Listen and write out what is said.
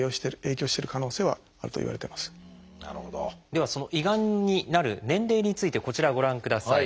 ではその胃がんになる年齢についてこちらをご覧ください。